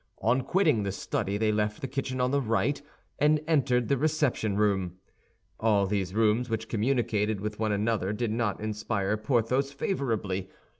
On quitting the study they left the kitchen on the right, and entered the reception room. All these rooms, which communicated with one another, did not inspire Porthos favorably.